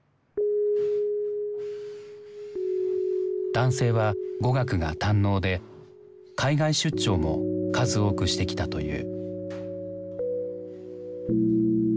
男性は語学が堪能で海外出張も数多くしてきたという。